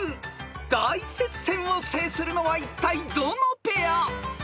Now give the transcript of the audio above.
［大接戦を制するのはいったいどのペア！？］